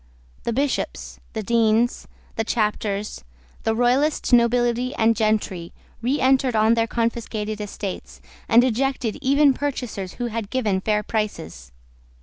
The bishops, the deans, the chapters, the Royalist nobility and gentry, reentered on their confiscated estates, and ejected even purchasers who had given fair prices.